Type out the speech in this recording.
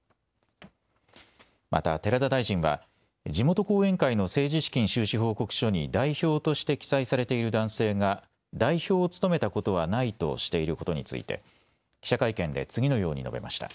また寺田大臣は、地元後援会の政治資金収支報告書に、代表として記載されている男性が、代表を務めたことはないとしていることについて、記者会見で次のように述べました。